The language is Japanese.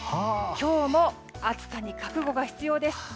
今日も暑さに覚悟が必要です。